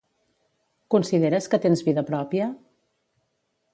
Consideres que tens vida pròpia?